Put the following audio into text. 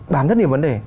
đán rất nhiều vấn đề